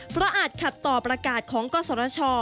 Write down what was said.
เพราะอาจขัดต่อประกาศของกศช